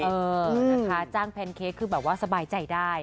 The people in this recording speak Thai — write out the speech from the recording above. เออนะคะจ้างแพนเค้กคือแบบว่าสบายใจได้